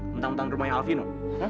mentang mentang rumahnya alvino